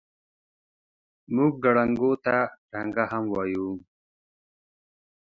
موږ ګړنګو ته ټنګه هم وایو.